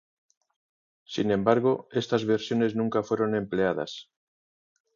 Sin embargo, estas versiones nunca fueron empleadas.